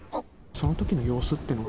そのときの様子っていうのは。